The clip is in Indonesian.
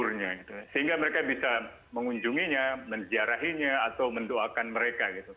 mereka ingin di mana kuburnya sehingga mereka bisa mengunjunginya menziarahinya atau mendoakan mereka